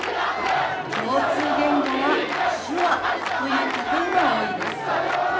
共通言語は手話という家庭が多いです。